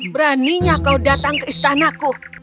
beraninya kau datang ke istanaku